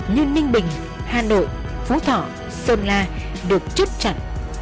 như ninh bình hà nội phú thỏ sơn la được chấp chặt